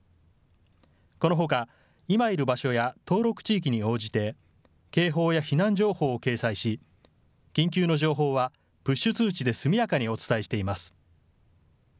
このほか、今いる場所や登録地域に応じて警報や避難情報を掲載し緊急の情報はプッシュ通知で速やかにお伝えしています。